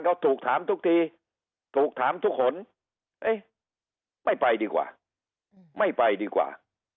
เขาถูกถามทุกทีถูกถามทุกหนเอ๊ะไม่ไปดีกว่าไม่ไปดีกว่า